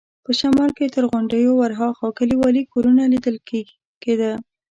په شمال کې تر غونډیو ورهاخوا کلیوالي کورونه لیدل کېده.